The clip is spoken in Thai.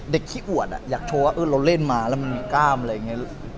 ขี้อวดอยากโชว์ว่าเราเล่นมาแล้วมันมีกล้ามอะไรอย่างนี้